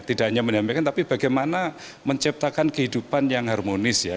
tidak hanya menyampaikan tapi bagaimana menciptakan kehidupan yang harmonis ya